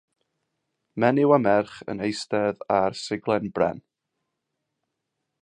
Menyw a merch yn eistedd ar siglen bren.